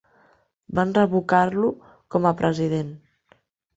Van revocar-lo com a president.